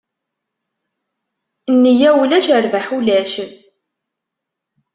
Nniya ulac, rrbaḥ ulac.